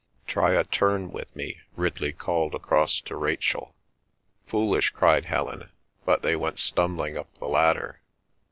"Try a turn with me," Ridley called across to Rachel. "Foolish!" cried Helen, but they went stumbling up the ladder.